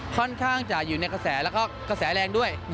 ค่อนข้างจะอยู่ในกระแสแล้วก็กระแสแรงด้วย